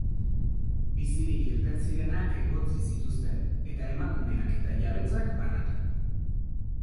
Bizirik irten zirenak egotzi zituzten eta emakumeak eta jabetzak banatu.